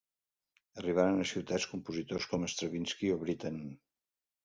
Arribaren a la ciutat compositors com Stravinski o Britten.